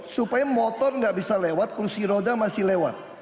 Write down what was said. supaya motor nggak bisa lewat kursi roda masih lewat